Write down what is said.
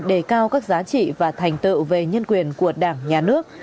đề cao các giá trị và thành tựu về nhân quyền của đảng nhà nước